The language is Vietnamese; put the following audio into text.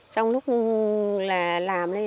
trong lúc là làm lên